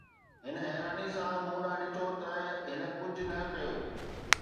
هن حيرانيءَ سان مون ڏانهن ڏٺو ته هن ڪجهه نه ڪيو